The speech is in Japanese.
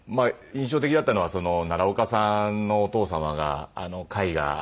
印象的だったのは奈良岡さんのお父様が絵画。